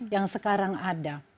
yang sekarang ada